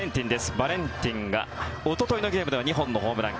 バレンティンがおとといのゲームでは２本のホームラン。